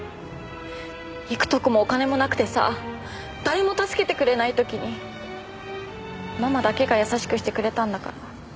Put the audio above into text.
行くとこもお金もなくてさ誰も助けてくれない時にママだけが優しくしてくれたんだから。